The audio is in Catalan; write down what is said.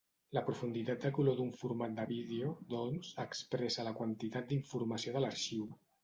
La profunditat de color d'un format de vídeo, doncs, expressa la quantitat d'informació de l'arxiu.